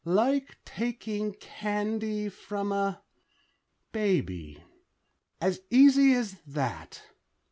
"Like taking candy from a ... baby. As easy as that...."